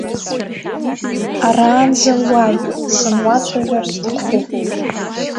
Араанӡа уааи, сынуацәажәар сҭахуп.